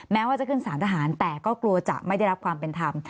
แม้ว่าจะขึ้นสารทหารแต่ก็กลัวจะไม่ได้รับความเป็นธรรม